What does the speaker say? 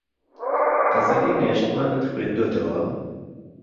قەسیدەی نێشتمانت خوێندووەتەوە؟